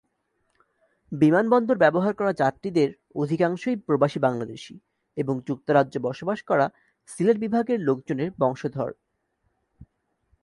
বিমানবন্দর ব্যবহার করা যাত্রীদের অধিকাংশই প্রবাসী বাংলাদেশী এবং যুক্তরাজ্য বসবাস করা সিলেট বিভাগ-এর লোকজনের বংশধর।